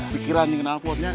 pikiran ini kena aku abisnya